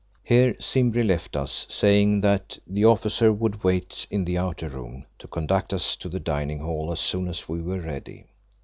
Here Simbri left us, saying that the officer would wait in the outer room to conduct us to the dining hall as soon as we were ready.